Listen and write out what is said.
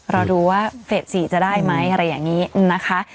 รอดูว่าเฟส๔จะได้ไหมอะไรอย่างนี้นะคะ